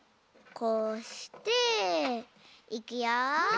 こうしていくよ。